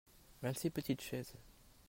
vingt six petites chaises.